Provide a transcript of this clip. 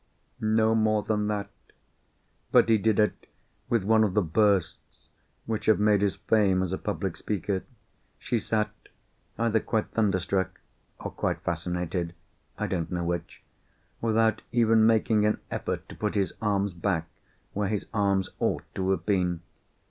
No more than that! But he did it with one of the bursts which have made his fame as a public speaker. She sat, either quite thunderstruck, or quite fascinated—I don't know which—without even making an effort to put his arms back where his arms ought to have been.